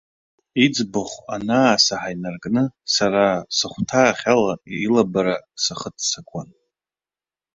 Иӡбахә анаасаҳа инаркны, сара сыхәҭаахь ала, илабара сахыццакуан.